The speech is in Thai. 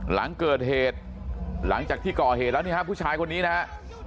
หลังเกิดเหตุหลังจากที่ก่อเหตุแล้วนี่ฮะผู้ชายคนนี้นะฮะ